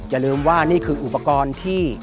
อย่าลืมว่านี่คืออุปกรณ์ที่